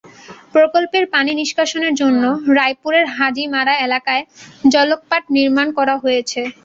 প্রকল্পের পানি নিষ্কাশনের জন্য রায়পুরের হাজীমারা এলাকায় জলকপাট নির্মাণ করা হয়েছে।